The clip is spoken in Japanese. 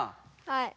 はい。